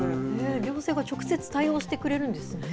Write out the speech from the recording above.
行政が直接対応してくれるんですね。